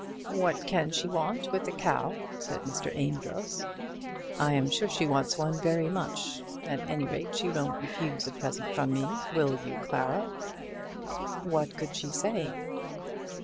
"What can she want with a cow?" said Mr. Amedroz. "I am sure she wants one very much. At any rate she won't refuse the present from me; will you, Clara?" What could she say?